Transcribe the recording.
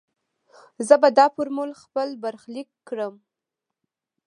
زه به دا فورمول خپل برخليک کړم.